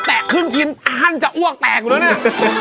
แตกครึ่งชิ้นฮั่นจะอ้วกแตกด้วยนี่